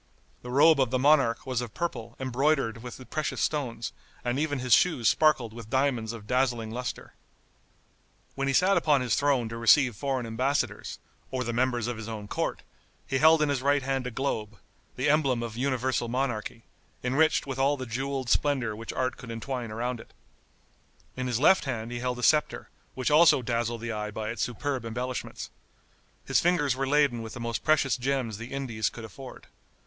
The robe of the monarch was of purple, embroidered with precious stones, and even his shoes sparkled with diamonds of dazzling luster. When he sat upon his throne to receive foreign embassadors, or the members of his own court, he held in his right hand a globe, the emblem of universal monarchy, enriched with all the jeweled splendor which art could entwine around it. In his left hand he held a scepter, which also dazzled the eye by its superb embellishments. His fingers were laden with the most precious gems the Indies could afford.